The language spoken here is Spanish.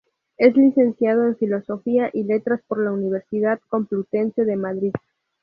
Es licenciado en Filosofía y Letras por la Universidad Complutense de Madrid.